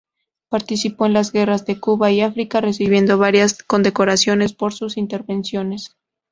Participó en las guerras de Cuba y África, recibiendo varias condecoraciones por sus intervenciones.